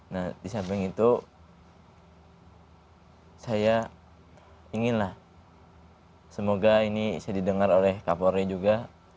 nah di samping itu saya inginlah semoga ini saya didengar oleh kapolri juga